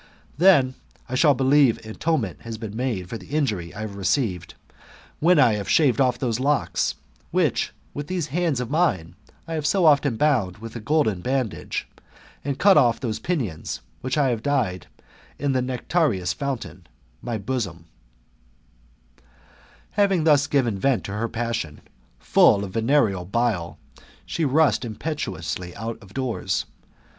Then I shall believe atonement has been made for the injury I have received, when I have shaved off* those locks, which, with these hands of mme, I have so often bound with a golden bandage, and cut off" those pinions, which I have dyed in that nectareous fountain, • my bosom," Having thus given vent to her passion, full of venereal bile, she rushed impetuously out of doors.